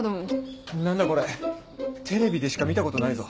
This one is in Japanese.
何だこれテレビでしか見たことないぞ。